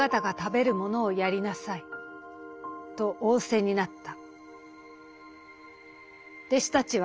「と仰せになった」。